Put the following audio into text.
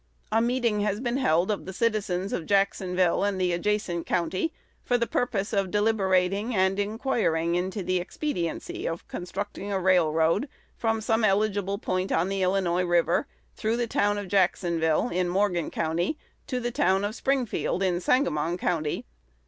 A meeting has been held of the citizens of Jacksonville and the adjacent country, for the purpose of deliberating and inquiring into the expediency of constructing a railroad from some eligible point on the Illinois River, through the town of Jacksonville, in Morgan County, to the town of Springfield, in Sangamon County.